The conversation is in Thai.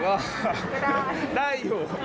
ก็ได้